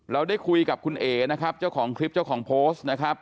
เราได้คุยกับคุณเอ๋นะครับเจ้าของคลิปเจ้าของโพสต์นะครับ